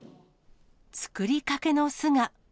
作りかけの巣が。